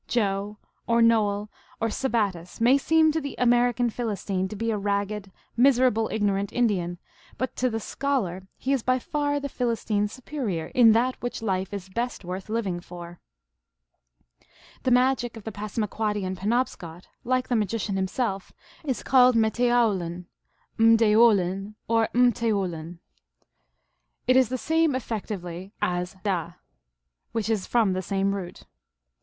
Joe, or Noel, or Sabattis may seem to the American Philistine to be a ragged, miserable, ignorant Indian ; but to the scholar he is by far the Philistine s superior in that which life is best worth living for. The magic of the Passamaquoddy and Penobscot, like the magician himself, is called metowlin, rri deoo lin, or m t Moulin* It is the same effectively as 340 THE ALGONQUIN LEGENDS. which is from the same root.